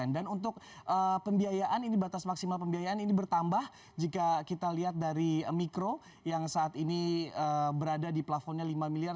dan untuk pembiayaan ini batas maksimal pembiayaan ini bertambah jika kita lihat dari mikro yang saat ini berada di plafonnya lima miliar